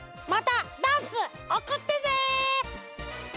またダンスおくってね！